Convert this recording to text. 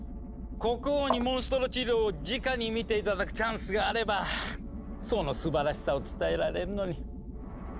国王にモンストロ治療をじかに見て頂くチャンスがあればそのすばらしさを伝えられるのに。